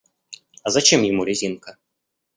А зачем ему резинка?